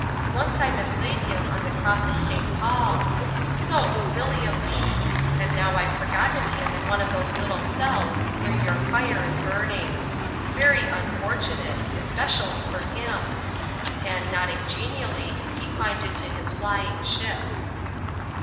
Once I mislaid him on the Cross of St. Paul's. So silly of me; and now I've forgotten him in one of those little cells where your fire is burning. Very unfortunate especially for him." And nodding genially, he climbed into his flying ship.